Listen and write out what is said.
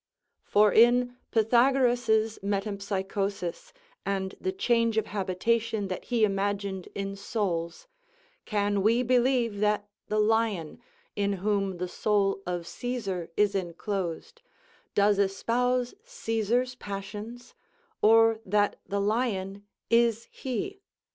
For in Pythagoras's metempsychosis, and the change of habitation that he imagined in souls, can we believe that the lion, in whom the soul of Cæsar is enclosed, does espouse Cæsar's passions, or that the lion is he?